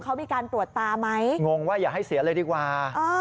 เขามีการตรวจตาไหมงงว่าอย่าให้เสียเลยดีกว่า